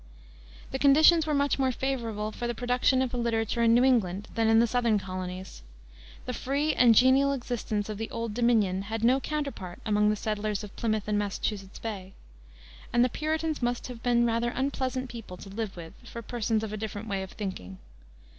The conditions were much more favorable for the production of a literature in New England than in the southern colonies. The free and genial existence of the "Old Dominion" had no counterpart among the settlers of Plymouth and Massachusetts Bay, and the Puritans must have been rather unpleasant people to live with for persons of a different way of thinking.